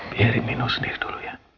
biarin mino sendiri dulu ya